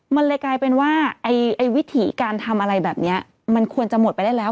มันเลยกลายเป็นว่าไอ้วิถีการทำอะไรแบบนี้มันควรจะหมดไปได้แล้ว